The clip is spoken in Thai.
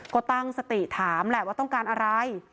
ก็ตั้งสติถามแหละว่าต้องการอะไร